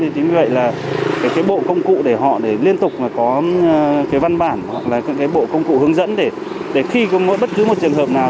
chính vì vậy là bộ công cụ để họ liên tục có văn bản hoặc là những bộ công cụ hướng dẫn để khi có bất cứ một trường hợp nào